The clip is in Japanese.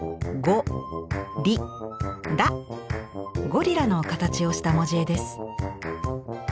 「ゴリラ」の形をした文字絵です。